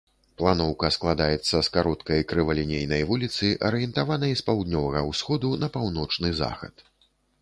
Планоўка складаецца з кароткай крывалінейнай вуліцы, арыентаванай з паўднёвага ўсходу на паўночны захад.